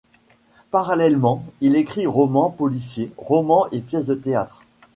Parallèlement, il écrit romans policiers, romans et pièces de théâtre.